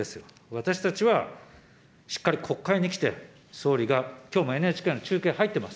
私たちはしっかり国会に来て、総理がきょうもＮＨＫの中継入ってます。